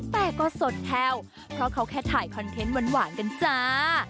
แต่ก็สดแฮวเพราะเขาแค่ถ่ายคอนเทนต์หวานกันจ้า